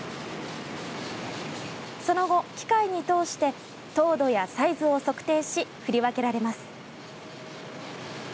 その後、機械に通して糖度やサイズを測定し振り分けられます。